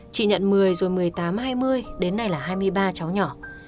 chị nhận một mươi rồi một mươi tám hai mươi đến nay là hai mươi ba cháu nhỏ